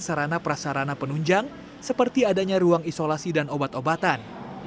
sarana prasarana penunjang seperti adanya ruang isolasi dan obat obatan